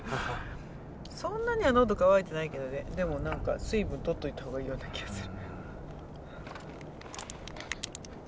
そんなにはのど渇いてないけどねでも何か水分とった方がいいような気がする。